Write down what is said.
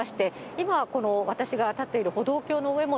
今、この私が立っている歩道橋の上も、